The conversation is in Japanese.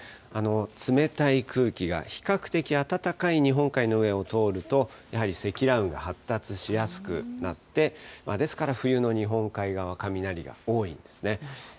冷たい空気が比較的暖かい日本海の上を通ると、やはり積乱雲が発達しやすくなって、ですから冬の日本海側、雷が多いんですね。